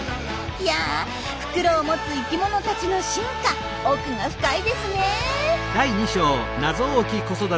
いや袋を持つ生きものたちの進化奥が深いですね！